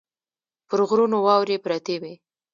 پر غرونو واورې پرتې وې.